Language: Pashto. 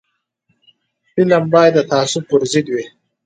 فلم باید د تعصب پر ضد وي